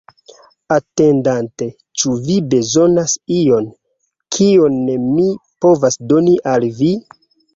Atendante, ĉu vi bezonas ion, kion mi povas doni al vi?